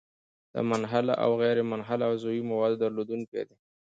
د منحله او غیرمنحله عضوي موادو درلودونکی دی.